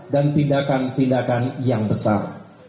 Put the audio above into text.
dan tindakan tindakan yang besar